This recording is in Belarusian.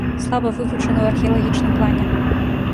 Слаба вывучаны ў археалагічным плане.